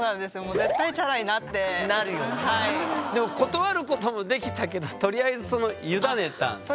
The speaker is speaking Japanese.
でも断ることもできたけどとりあえずその委ねたんでしょ？